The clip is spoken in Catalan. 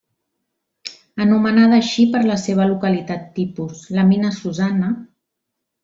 Anomenada així per la seva localitat tipus; la mina Susanna: